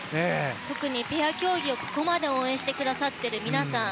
特にペア競技をここまで応援してくださる皆さん